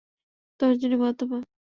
তর্জনি, মধ্যমা।